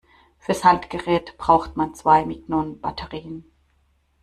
Fürs Handgerät braucht man zwei Mignon-Batterien.